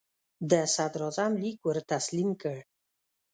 د صدراعظم لیک ور تسلیم کړ.